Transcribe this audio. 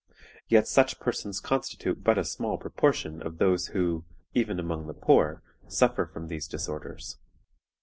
Yet such persons constitute but a small proportion of those who, even among the poor, suffer from these disorders.